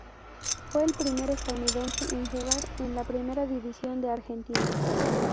Fue el primer estadounidense en jugar en la Primera División de Argentina.